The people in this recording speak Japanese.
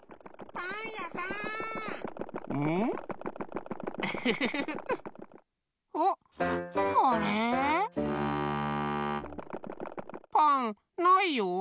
パンないよ。